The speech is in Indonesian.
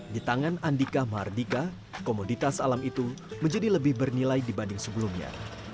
di tangan andika mahardika komoditas alam itu menjadi lebih bernilai dibanding sebelumnya